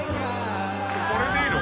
これでいいの。